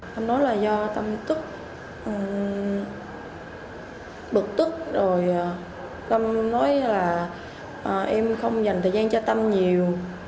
trong đó là do tâm tức bực tức rồi tâm nói là em không dành thời gian cho tâm nhiều